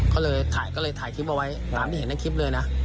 ก็เลยถ่ายคลิปเอาไว้ตามที่เห็นทั้งคลิปเลยนะ